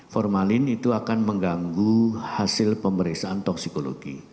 formalin itu akan mengganggu hasil pemeriksaan toksikologi